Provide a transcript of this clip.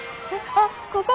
あっここ？